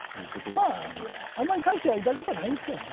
まあ、あまり大してやりたいことはないんですけどね。